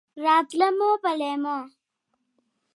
راتله مو په لېمو!